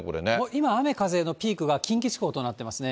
今、雨、風のピークが近畿地方となってますね。